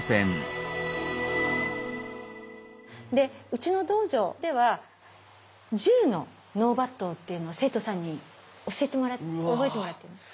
うちの道場では１０の納抜刀っていうのを生徒さんに教えて覚えてもらってるんです。